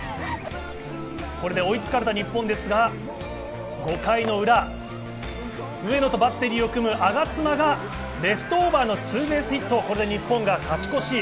これで追いつかれた日本ですが、５回の裏、上野とバッテリーを組む我妻がレフトオーバーのツーベースヒット、これで日本が勝ち越し。